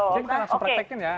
jadi kita langsung praktekin ya